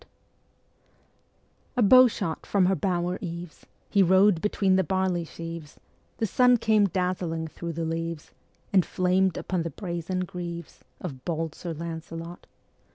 PART III A bow shot from her bower eaves, He rode between the barley sheaves, The sun came dazzling thro' the leaves, And flamed upon the brazen greaves Ā Ā Of bold Sir Lancelot.